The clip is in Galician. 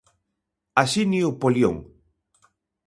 Asinio Polión.